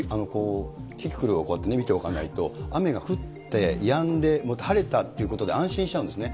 キキクルをこうやって見ておかないと、雨が降って、やんで、また晴れたっていうことで安心しちゃうんですね。